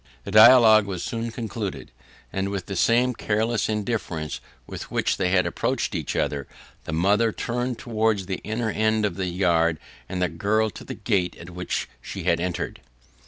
The dialogue was soon concluded; and with the same careless indifference with which they had approached each other, the mother turned towards the inner end of the yard, and the girl to the gate at which she had entered.